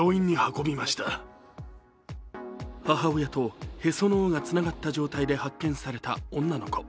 母親とへその緒がつながった状態で発見された女の子。